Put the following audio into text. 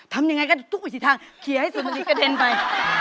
ทำอย่างไรก็ตุ๊กไปที่ทางเขียนให้สุดมันอีกกระเด็นไป